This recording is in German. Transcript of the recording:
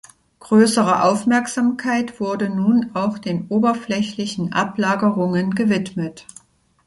Größere Aufmerksamkeit wurde nun auch den oberflächlichen Ablagerungen gewidmet.